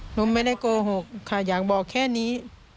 หนูไม่ได้โกหกค่ะอยากบอกแค่นี้